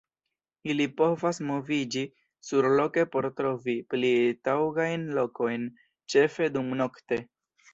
Ili povas moviĝi surloke por trovi pli taŭgajn lokojn, ĉefe dumnokte.